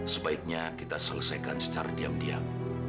sebaiknya kita selesaikan secara diam diam